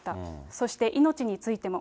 そして命についても。